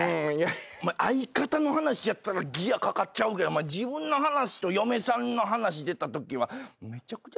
相方の話やったらギアかかっちゃうけど自分の話と嫁さんの話出たときはめちゃくちゃ静かやね。